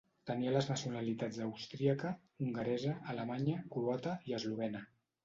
Tenia les nacionalitats austríaca, hongaresa, alemanya, croata i eslovena.